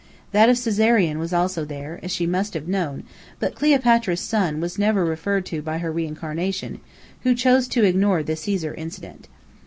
That of Cæsarion was there also, as she must have known; but Cleopatra's son was never referred to by her reincarnation, who chose to ignore the Cæsar incident.